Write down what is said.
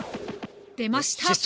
出ました！